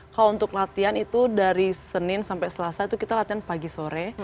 kalau untuk latihan itu dari senin sampai selasa itu kita latihan pagi sore